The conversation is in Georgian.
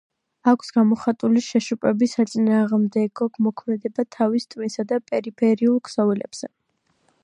აქვს გამოხატული შეშუპების საწინააღმდეგო მოქმედება თავის ტვინსა და პერიფერიულ ქსოვილებზე.